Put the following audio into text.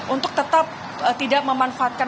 untuk tetap tidak memanfaatkan